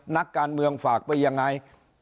นักการเมืองฝากไปยังไง